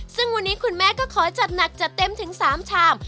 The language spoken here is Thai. ซึ่งวันนี้คุณแม่ก็ขอจัดหนักจัดเต็มถึง๓ชาม